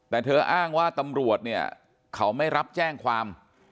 แต่เธออ้างว่าตำรวจเนี่ยเขาไม่รับแจ้งความ